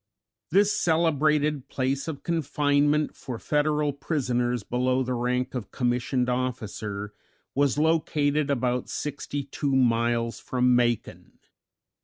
This celebrated place of confinement for Federal prisoners below the rank of commissioned officer was located about sixty two miles from Macon.